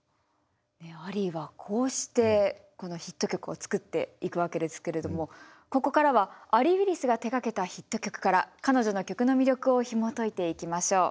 アリーはこうしてこのヒット曲を作っていくわけですけれどもここからはアリー・ウィリスが手がけたヒット曲から彼女の曲の魅力をひもといていきましょう。